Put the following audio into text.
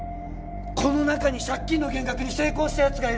この中に借金の減額に成功した奴がいる事も。